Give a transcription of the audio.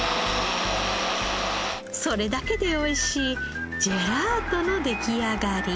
それだけで美味しいジェラートの出来上がり。